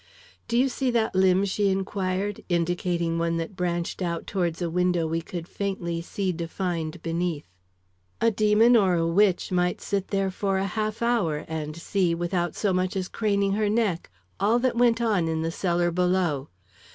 "Do you see that limb?" she inquired, indicating one that branched put towards a window we could faintly see defined beneath. "A demon or a witch might sit there for a half hour and see, without so much as craning her neck, all that went on in the cellar below.